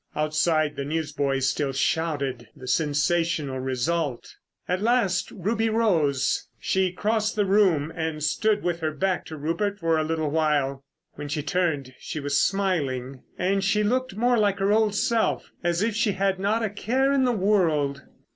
Outside the newsboys still shouted the sensational result. At last Ruby rose. She crossed the room and stood with her back to Rupert for a little while. When she turned she was smiling, and she looked more like her old self—as if she had not a care in the world.